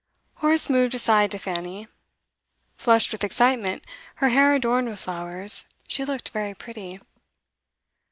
Horace moved aside to Fanny. Flushed with excitement, her hair adorned with flowers, she looked very pretty.